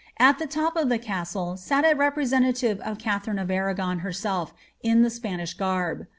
At the top of the castle sat a representative of Katharine of Arragon herself, in the Spanish garb.